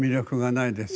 ないです。